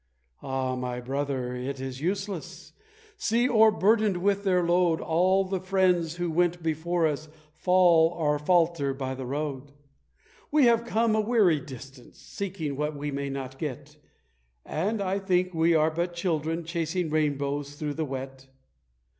"Ah, my brother, it is useless! See, o'erburdened with their load, All the friends who went before us fall or falter by the road! We have come a weary distance, seeking what we may not get, And I think we are but children, chasing rainbows through the wet.